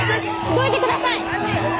どいてください！